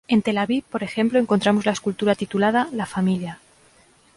En Tel aviv por ejemplo encontramos la escultura titulada La familia.